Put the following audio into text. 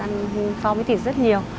ăn so với thịt rất nhiều